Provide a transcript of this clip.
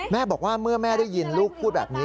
แม่บอกว่าเมื่อแม่ได้ยินลูกพูดแบบนี้